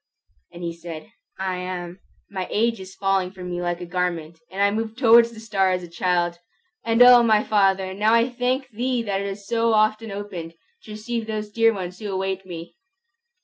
And he said, "I am. My age is falling from me like a garment, and I move towards the star as a child. And O, my Father, now I thank thee that it has so often opened, to receive those dear ones who await me!"